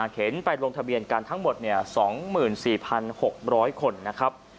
เข็นไปลงทะเบียนกันทั้งหมด๒๔๖๐๐คนนะครับ